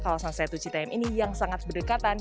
kawasan setu citm ini yang sangat berdekatan